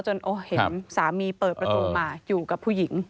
เห็นสามีเปิดประตูมาอยู่กับผู้หญิง